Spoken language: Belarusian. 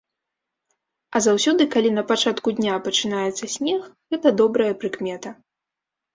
А заўсёды калі на пачатку дня пачынаецца снег, гэта добрая прыкмета.